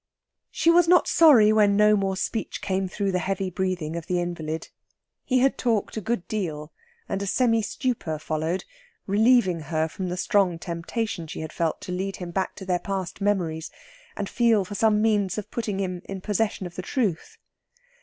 She was not sorry when no more speech came through the heavy breathing of the invalid. He had talked a good deal, and a semi stupor followed, relieving her from the strong temptation she had felt to lead him back to their past memories, and feel for some means of putting him in possession of the truth.